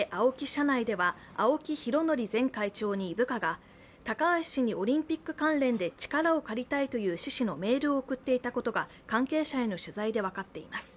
社内では青木拡憲前会長に部下が、高橋氏にオリンピック関連で力を借りたいという趣旨のメールを送っていたことが、関係者への取材で分かっています。